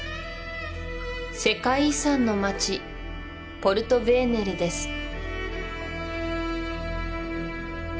世界遺産の町ポルトヴェーネレです